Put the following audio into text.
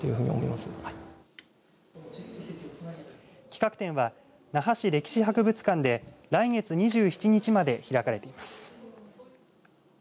企画展は那覇市歴史博物館で来月２７日まで開かれています。